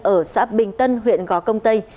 ở xã bình tân huyện gó công tây